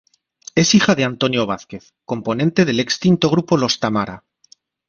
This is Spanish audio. Es hija de Antonio Vázquez, componente del extinto grupo Los Tamara.